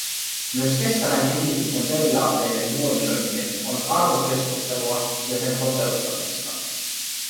Myös kestävän kehityksen periaatteiden huomioiminen on arvokeskustelua ja sen toteuttamista.